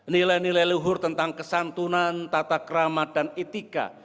nilai nilai luhur tentang kesantunan tata keramat dan etika